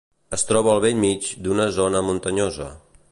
Es troba al bell mig d'una zona muntanyosa.